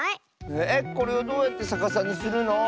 えっこれをどうやってさかさにするの？